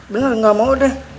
bener gak mau deh